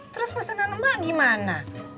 terus pesenan mak gimana